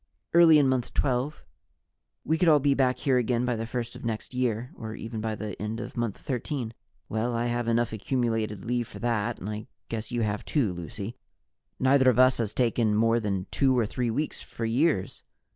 "Early in Month Twelve. We could all be back here again by the first of next year, or even by the end of Month Thirteen." "Well, I have enough accumulated leave for that and I guess you have too, Lucy; neither of us has taken more than two or three weeks for years.